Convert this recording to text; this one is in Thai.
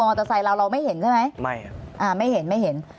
เตอร์ไซค์เราเราไม่เห็นใช่ไหมไม่อ่าไม่เห็นไม่เห็น